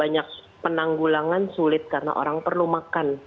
banyak penanggulangan sulit karena orang perlu makan